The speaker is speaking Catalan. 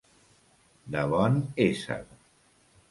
De bon ésser.